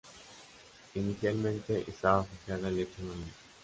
Inicialmente estaba fijada al lecho marino.